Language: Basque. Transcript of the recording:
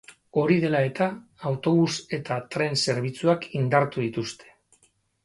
Hori dela eta, autobus eta tren zerbitzuak indartu dituzte.